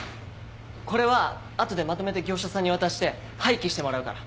これは後でまとめて業者さんに渡して廃棄してもらうから。